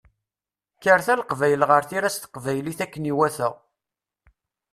Kkret a Leqbayel ɣer tira s teqbaylit akken iwata!